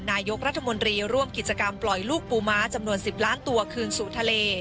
นายกรัฐมนตรีร่วมกิจกรรมปล่อยลูกปูม้าจำนวน๑๐ล้านตัวคืนสู่ทะเล